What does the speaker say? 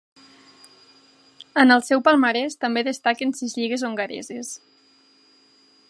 En el seu palmarès també destaquen sis lligues hongareses.